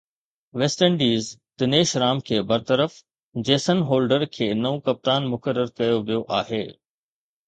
west Indies Dinesh Ram کي برطرف، Jason Holder کي نئون ڪپتان مقرر ڪيو ويو آهي